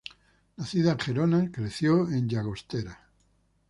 Nacida en Gerona, creció en Llagostera.